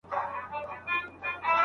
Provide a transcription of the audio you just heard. موضوع د مرکز رياست